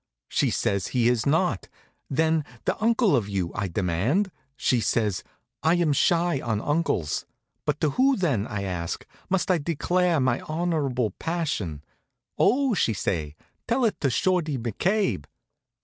She say he is not. 'Then the uncle of you?' I demand. She say: 'I'm shy on uncles.' 'But to who, then,' I ask, 'must I declare my honorable passion?' 'Oh,' she say, 'tell it to Shorty McCabe.'